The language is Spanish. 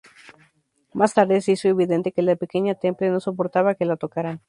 Más tarde se hizo evidente que la pequeña Temple no soportaba que la tocaran.